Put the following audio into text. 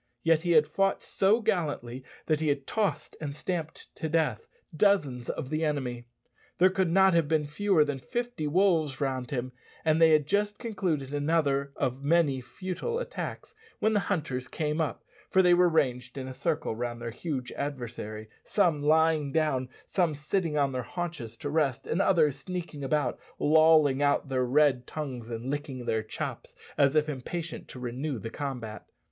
Yet he had fought so gallantly that he had tossed and stamped to death dozens of the enemy. There could not have been fewer than fifty wolves round him; and they had just concluded another of many futile attacks when the hunters came up, for they were ranged in a circle round their huge adversary some lying down, some sitting on their haunches to rest, and others sneaking about, lolling out their red tongues and licking their chops as if impatient to renew the combat.